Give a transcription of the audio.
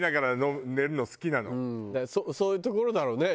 そういうところだろうね。